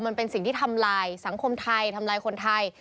มันเป็นสิ่งที่ทำลายสังคมไทยทำลายคนไทย